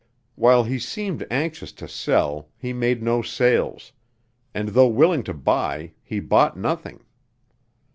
While he seemed anxious to sell, he made no sales; and though willing to buy he bought nothing.